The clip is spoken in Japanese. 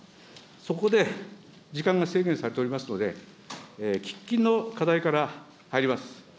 そこで、時間が制限されておりますので、喫緊の課題から入ります。